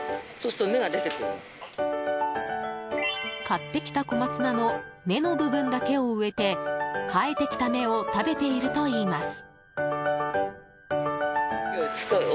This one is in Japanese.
買ってきた小松菜の根の部分だけを植えて生えてきた芽を食べているといいます。